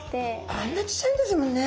あんなちっちゃいんですもんね。